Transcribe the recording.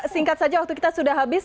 singkat saja waktu kita sudah habis